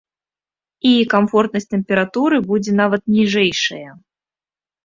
І камфортнасць тэмпературы будзе нават ніжэйшая.